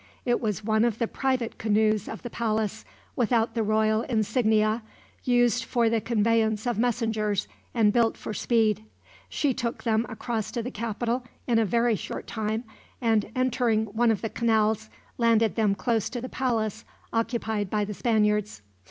It was one of the private canoes of the palace, without the royal insignia; used for the conveyance of messengers, and built for speed. She took them across to the capital in a very short time and, entering one of the canals, landed them close to the palace occupied by the Spaniards.